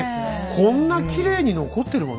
こんなきれいに残ってるもの？